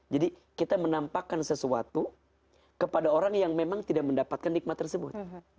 jadi kita menampakkan sesuatu kepada orang yang memang tidak mendapatkan nikmat tersebut